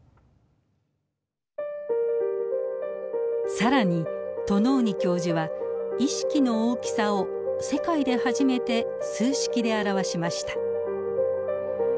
更にトノーニ教授は意識の大きさを世界で初めて数式で表しました。